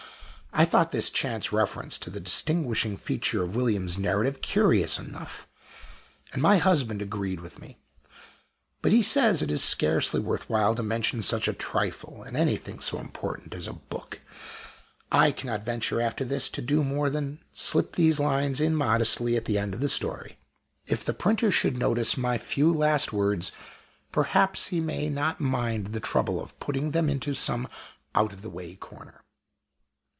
I thought this chance reference to the distinguishing feature of William's narrative curious enough, and my husband agreed with me. But he says it is scarcely worth while to mention such a trifle in anything so important as a book. I cannot venture, after this, to do more than slip these lines in modestly at the end of the story. If the printer should notice my few last words, perhaps he may not mind the trouble of putting them into some out of the way corner.